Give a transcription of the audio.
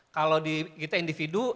kalau kita individu